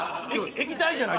液体じゃない？